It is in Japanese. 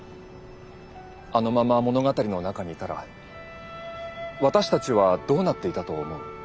あのまま物語の中にいたら私たちはどうなっていたと思う？